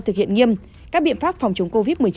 thực hiện nghiêm các biện pháp phòng chống covid một mươi chín